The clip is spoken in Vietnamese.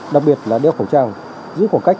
đặc biệt là đeo khẩu trang giữ khoảng cách